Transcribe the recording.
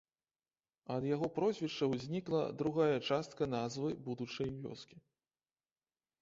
Ад яго прозвішча ўзнікла другая частка назвы будучай вёскі.